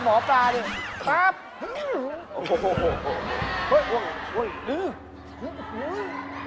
เกิดอะไรขึ้น